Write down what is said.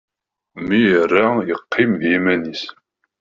Mi ara yeqqim d yiman-is.